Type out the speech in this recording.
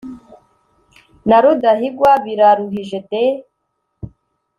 na Rudahigwa Biraruhije des